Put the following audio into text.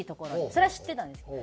それは知ってたんですけど。